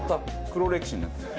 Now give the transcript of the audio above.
黒歴史になってる。